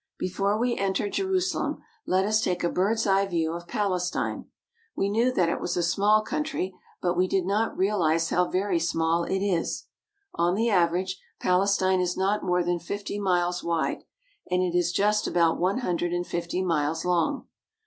Before we enter Jerusalem, let us take a bird's eye view of Palestine. We knew that it was a small country, but we did not realize how very small it is. On the average, Palestine is not more than fifty miles wide, and it is just about one hundred and fifty miles long.